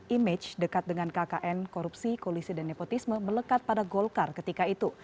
image dekat dengan kkn korupsi kolusi dan nepotisme melekat pada golkar ketika itu